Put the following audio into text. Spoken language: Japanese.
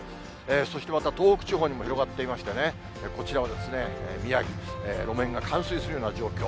そしてまた東北地方にも広がっていましてね、こちらは宮城、路面が冠水するような状況。